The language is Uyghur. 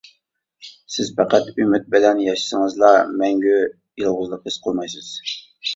سىز پەقەت ئۈمىد بىلەن ياشىسىڭىزلا، مەڭگۈ يالغۇزلۇق ھېس قىلمايسىز.